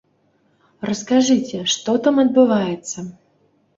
Раскажыце, што там адбываецца?